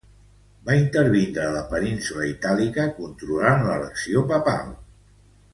Va intervindre a la península Itàlica controlant l'elecció papal.